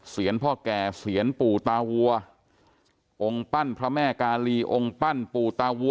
พ่อแก่เสียนปู่ตาวัวองค์ปั้นพระแม่กาลีองค์ปั้นปู่ตาวัว